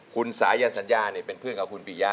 คุณสายันสัญญาเป็นเพื่อนกับคุณปียะ